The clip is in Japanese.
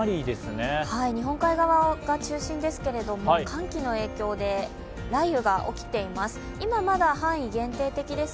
日本海側が中心ですけれども、寒気の影響で雷雨が起きています。